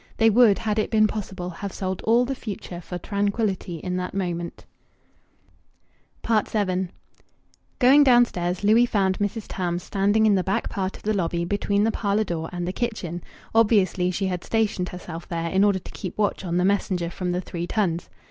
They would, had it been possible, have sold all the future for tranquillity in that moment. VII Going downstairs, Louis found Mrs. Tarns standing in the back part of the lobby between the parlour door and the kitchen; obviously she had stationed herself there in order to keep watch on the messenger from the "Three Tuns."